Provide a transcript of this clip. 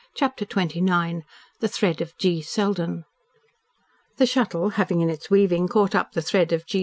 CHAPTER XXIX THE THREAD OF G. SELDEN The Shuttle having in its weaving caught up the thread of G.